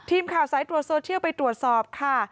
ทีมข่าวสายตรวจโซเชียลไปตรวจสอบค่ะ